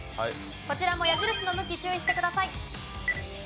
こちらも矢印の向き注意してください。